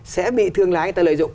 sẽ bị thương lái người ta lợi dụng